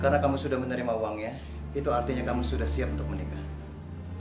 karena kamu sudah menerima uangnya itu artinya kamu sudah siap untuk menikah